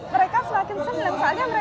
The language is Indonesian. mereka semakin senang